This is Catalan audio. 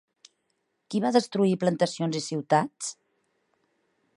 Qui va destruir plantacions i ciutats?